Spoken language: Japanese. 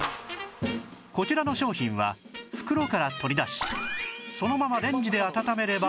こちらの商品は袋から取り出しそのままレンジで温めれば